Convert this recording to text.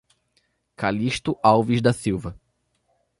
Calixto Alves da Silva